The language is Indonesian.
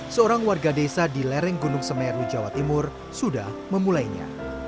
seorang warga desa di lereng gunung semeru jawa timur sudah memulainya